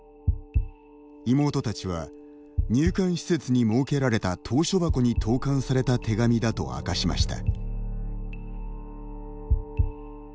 妹たちは、入管施設に設けられた投書箱に投かんされた手紙だと明かしました。